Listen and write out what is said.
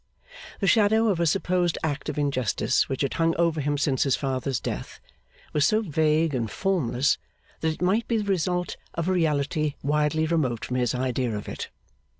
The shadow of a supposed act of injustice, which had hung over him since his father's death, was so vague and formless that it might be the result of a reality widely remote from his idea of it.